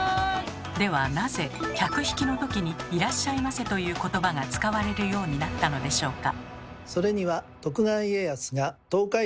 ではなぜ客引きのときに「いらっしゃいませ」という言葉が使われるようになったのでしょうか？